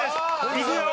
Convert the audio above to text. いくよ！